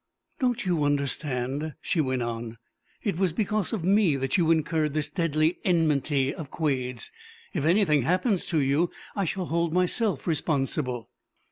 "Don't you understand?" she went on. "It was because of me that you incurred this deadly enmity of Quade's. If anything happens to you, I shall hold myself responsible!"